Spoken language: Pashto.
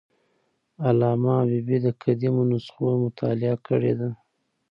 علامه حبیبي د قدیمو نسخو مطالعه کړې ده.